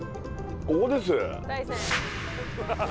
ここです